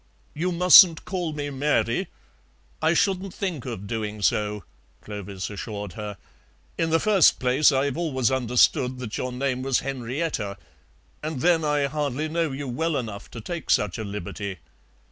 "'You mustn't call me Mary '" "I shouldn't think of doing so," Clovis assured her; "in the first place, I've always understood that your name was Henrietta; and then I hardly know you well enough to take such a liberty."